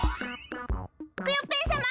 クヨッペンさま！